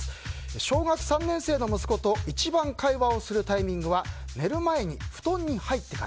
小学３年生の息子と一番会話をするタイミングは寝る前に布団に入ってから。